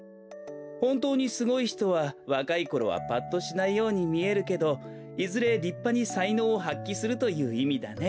ほんとうにすごいひとはわかいころはぱっとしないようにみえるけどいずれりっぱにさいのうをはっきするといういみだね。